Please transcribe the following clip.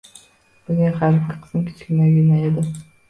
Bizning harbiy qism kichkinagina edi.